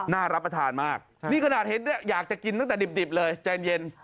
น่ารับประทานมากนี่ก็อาจเห็ดเนี่ยอยากจะกินนั้นแต่ดิบเลยใจเย็น